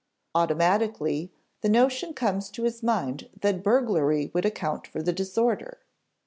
Automatically, the notion comes to his mind that burglary would account for the disorder.